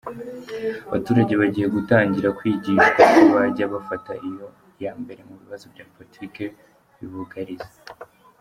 Abaturage bagiye gutangira kwigishwa uko bajya bafata iya mbere mu bibazo bya politiki bibugariza.